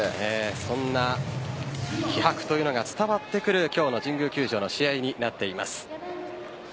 そんな気迫というのが伝わってくる今日の神宮球場の試合になっています。